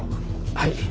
はい。